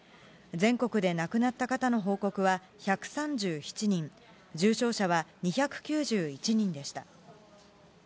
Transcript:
全国で亡くなった方の報告は、１３７人、重症者は２９１人でした。